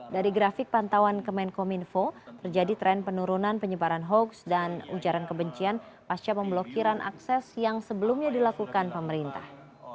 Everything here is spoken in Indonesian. dari grafik pantauan kemenkominfo terjadi tren penurunan penyebaran hoaks dan ujaran kebencian pasca pemblokiran akses yang sebelumnya dilakukan pemerintah